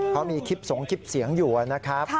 เขามีคลิปสงคลิปเสียงอยู่นะครับ